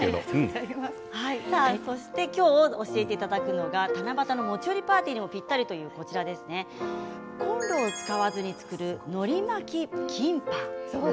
今日、教えていただくのが七夕の持ち寄りパーティーにもぴったりというコンロを使わずに作る、のり巻きキンパ。